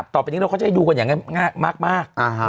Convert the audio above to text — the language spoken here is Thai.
ต่อไปนี้เราก็จะให้ดูกันอย่างง่ายมาก